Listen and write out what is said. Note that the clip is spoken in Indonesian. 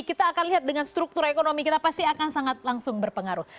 kita akan lihat dengan struktur ekonomi kita pasti akan sangat langsung berpengaruh